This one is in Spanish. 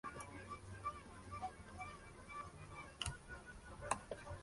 Pasó gran parte de su infancia en Marruecos.